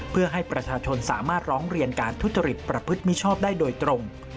เพื่อให้ประชาชนสามารถร้องเรียนการทุจริตประพฤติมิชอบได้โดยตรง